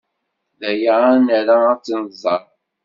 D aya ay nra ad t-nẓer.